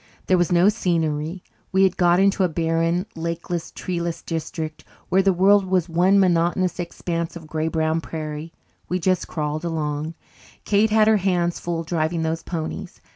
There was no scenery. We had got into a barren, lakeless, treeless district where the world was one monotonous expanse of grey brown prairie. We just crawled along. Kate had her hands full driving those ponies.